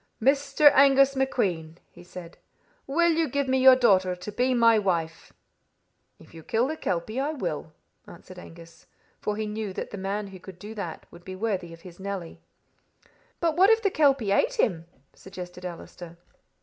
'Mr. Angus MacQueen,' he said, 'will you give me your daughter to be my wife?' 'If you kill the kelpie, I will,' answered Angus; for he knew that the man who could do that would be worthy of his Nelly." "But what if the kelpie ate him?" suggested Allister.